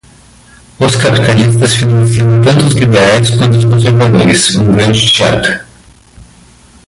Os capitalistas financiam tanto os liberais quanto os conservadores, um grande teatro